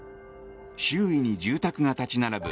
周囲に住宅が立ち並ぶ